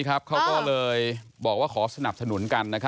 เขาก็เลยบอกว่าขอสนับสนุนกัน